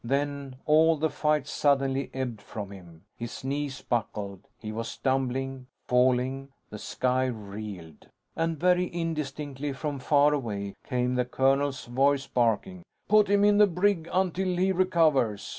Then, all the fight suddenly ebbed from him. His knees buckled. He was stumbling, falling. The sky reeled. And very indistinctly, from far away, came the colonel's voice, barking: "Put him in the brig until he recovers.